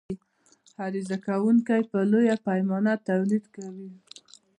عرضه کوونکى په لویه پیمانه تولید کوي.